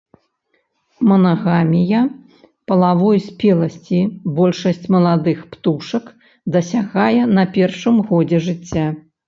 Манагамія, палавой спеласці большасць маладых птушак дасягае на першым годзе жыцця.